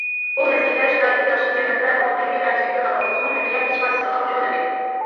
بۇ مەزگىلدە، شارائىتى ياخشى جەمەتلەر ئۇنىڭ ئۆيىگە ئەلچىلىككە بارغان بولسىمۇ، ھەدىيە ھېچقايسىسىغا قوشۇلمىدى.